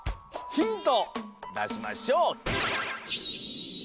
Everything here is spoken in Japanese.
ヒントだしましょう。